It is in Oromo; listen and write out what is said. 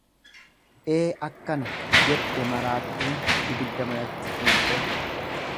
Ee akkana! Jette maraattuun ibidda manatti suuqxee.